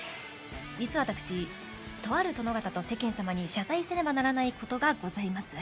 実は私とある殿方と世間様に謝罪せねばならない事がございます。